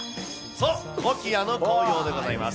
そう、コキアの紅葉でございます。